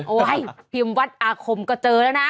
ให้พิมพ์วัดอาคมก็เจอแล้วนะ